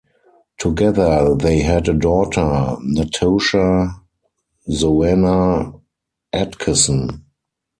Together they had a daughter, Natosha Zoeanna Adkisson.